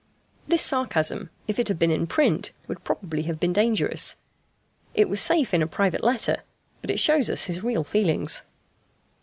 This sarcasm, if it had been in print, would probably have been dangerous. It was safe in a private letter, but it shows us his real feelings.